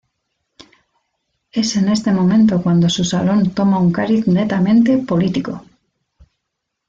Es en este momento cuando su salón toma un cariz netamente político.